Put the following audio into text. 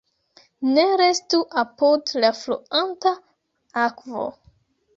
Ne restu apud la fluanta akvo.